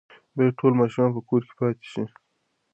باید ټول ماشومان په کور کې پاتې شي.